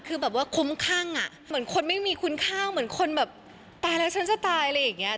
คือแบบว่าคุ้มคั่งอ่ะเหมือนคนไม่มีคุณค่าเหมือนคนแบบตายแล้วฉันจะตายอะไรอย่างนี้